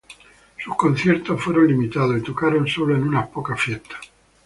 Sus conciertos fueron limitados, y tocaron sólo en unas pocas fiestas.